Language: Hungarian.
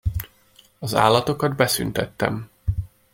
Az állatokat beszüntettem!